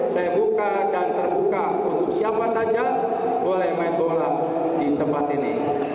saya buka dan terbuka untuk siapa saja boleh main bola di tempat ini